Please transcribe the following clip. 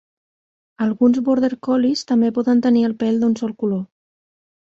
Alguns border collies també poden tenir el pel d'un sol color.